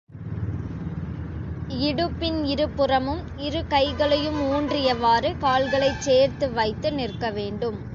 இடுப்பின் இரு புறமும் இரு கைகளையும் ஊன்றியவாறு, கால்களைச் சேர்த்து வைத்து நிற்க வேண்டும்.